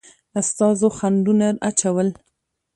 استازو خنډونه اچول.